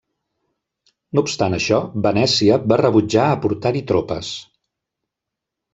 No obstant això, Venècia va rebutjar aportar-hi tropes.